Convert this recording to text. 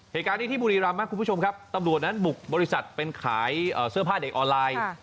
เหตุการณ์นี้ที่บุรีรำครับคุณผู้ชมครับตำรวจนั้นบุกบริษัทเป็นขายเสื้อผ้าเด็กออนไลน์